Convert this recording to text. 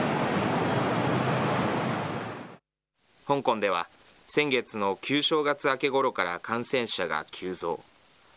香港では、先月の旧正月明けごろから、感染者が急増。